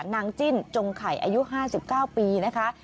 นางจิ้นจงข่ายอายุ๕๙ปีนะคะ